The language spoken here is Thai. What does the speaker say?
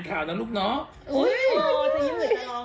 เลยอ่านก่อนลูกน้องค์